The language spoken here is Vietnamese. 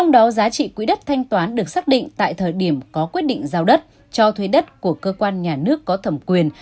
đó giá trị quỹ đất thanh toán được xác định tại thời điểm có quyết định giao đất cho thuê đất của cơ quan nhà nước có thẩm quyền